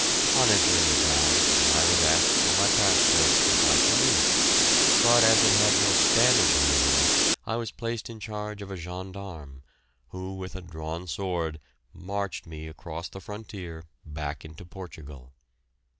On entering the town, I was asked for my passport, which I produced, but as it had no Spanish visé I was placed in charge of a gendarme, who with a drawn sword marched me across the frontier back into Portugal.